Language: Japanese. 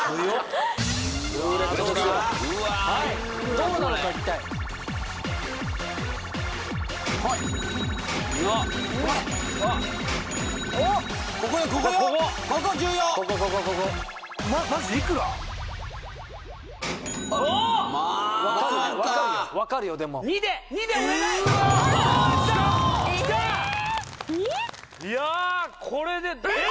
いやこれでえっ？